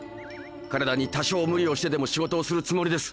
体に多少無理をしてでも仕事をするつもりです。